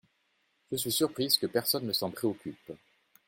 Je suis surprise que personne ne s’en préoccupe.